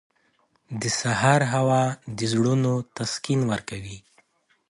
• د سهار هوا د زړونو تسکین ورکوي.